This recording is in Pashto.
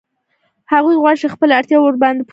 هغوی غواړي چې خپلې اړتیاوې ورباندې پوره کړي